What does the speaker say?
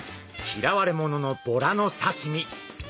嫌われ者のボラの刺身。